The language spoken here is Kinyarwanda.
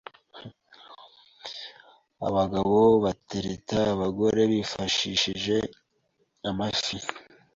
abagabo batereta abagore bifashishije amafi